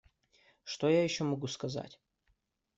Что я еще могу сказать?